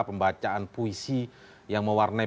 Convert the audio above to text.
pembacaan puisi yang mewarnai